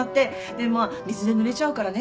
でまあ水でぬれちゃうからね